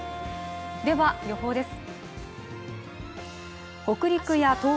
では、予報です。